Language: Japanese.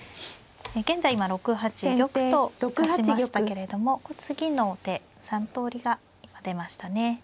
現在今６八玉と指しましたけれども次の手３通りが今出ましたね。